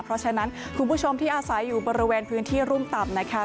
เพราะฉะนั้นคุณผู้ชมที่อาศัยอยู่บริเวณพื้นที่รุ่มต่ำนะคะ